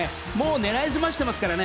狙いすましてますからね。